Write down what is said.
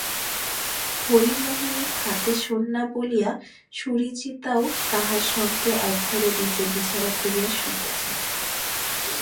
হরিমোহিনী খাটে শোন না বলিয়া সুচরিতাও তাঁহার সঙ্গে এক ঘরে নীচে বিছানা করিয়া শুইতেছে।